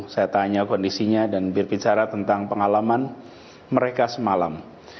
saya tanya kondisinya dan berbicara tentang pengalaman mereka semalam